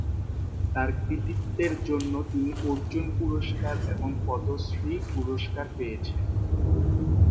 তার কৃতিত্বের জন্য তিনি অর্জুন পুরষ্কার এবং পদ্মশ্রী পুরষ্কার পেয়েছেন।